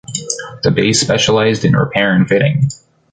The base specialised in repair and fitting.